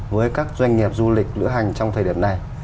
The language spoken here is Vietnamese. với các doanh nghiệp du lịch lữ hành trong thời điểm này